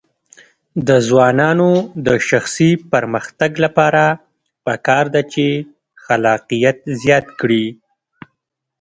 د ځوانانو د شخصي پرمختګ لپاره پکار ده چې خلاقیت زیات کړي.